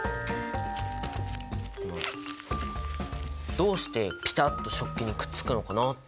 どうしてピタッと食器にくっつくのかなって。